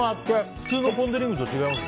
普通のポン・デ・リングと違います？